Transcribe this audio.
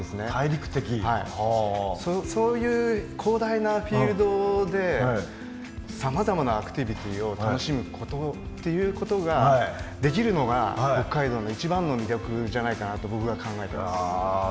そういう広大なフィールドでさまざまなアクティビティーを楽しむことっていうことできるのが北海道の一番の魅力じゃないかなと僕は考えています。